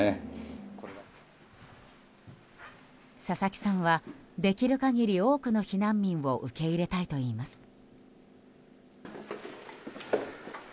佐々木さんはできる限り多くの避難民を受け入れたいといいます。